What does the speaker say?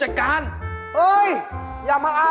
เฮ่ย